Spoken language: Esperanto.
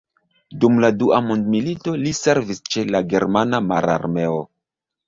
Dum la Dua mondmilito li servis ĉe la germana mararmeo.